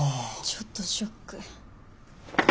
ちょっとショック。